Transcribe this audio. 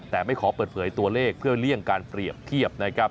แต่ไม่ขอเปิดเผยตัวเลขเพื่อเลี่ยงการเปรียบเทียบนะครับ